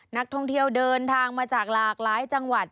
นักท่องเที่ยวเดินทางมาจากหลากหลายจังหวัด